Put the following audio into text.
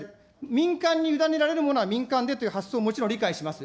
民間に委ねられるものは民間でという発想、もちろん理解します。